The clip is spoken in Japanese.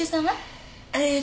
えーっと。